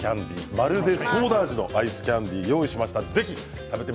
まるでソーダ味のアイスキャンディーを用意しました。